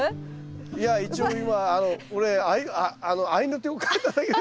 いや一応今俺合いの手をかけただけです。